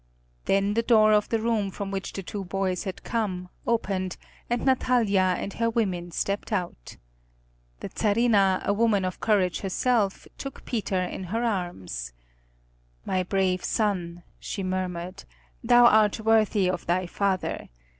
Then the door of the room from which the two boys had come opened, and Natalia and her women stepped out. The Czarina, a woman of courage herself, took Peter in her arms. "My brave son," she murmured, "thou art worthy of thy father.